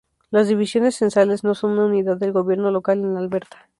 Las divisiones censales no son una unidad del gobierno local en Alberta.